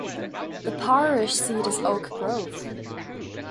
The parish seat is Oak Grove.